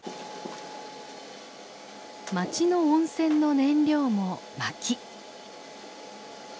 町の温泉の燃料も薪。